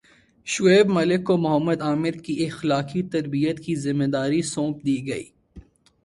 شعیب ملک کو محمد عامر کی اخلاقی تربیت کی ذمہ داری سونپ دی گئی